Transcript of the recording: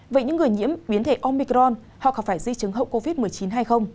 vậy những người nhiễm biến thể omicron họ có phải di chứng hậu covid một mươi chín hay không